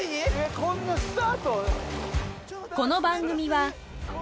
こんなスタート？